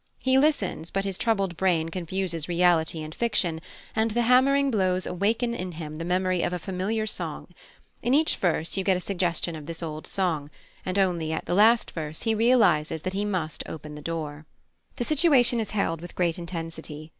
He listens, but his troubled brain confuses reality and fiction, and the hammering blows awaken in him the memory of a familiar song. In each verse you get a suggestion of this old song, and only at the last verse he realises that he must open the door." The situation is held with great intensity.